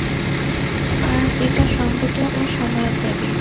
আর এটা সংগত ও সময়ের দাবি।